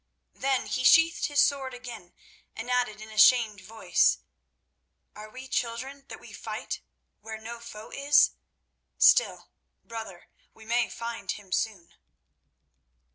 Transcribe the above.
_" Then he sheathed his sword again and added in a shamed voice, "Are we children that we fight where no foe is? Still, brother, may we find him soon!"